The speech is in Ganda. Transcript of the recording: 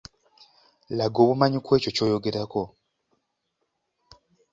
Laga obumanyi kw'ekyo ky'oygerako.